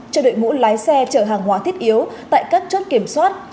cho đội ngũ lái xe chở hàng hóa thiết yếu tại các chốt kiểm soát